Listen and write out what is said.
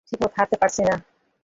ঠিকমত হাঁটতে পারছি না।